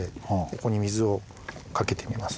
ここに水をかけてみます。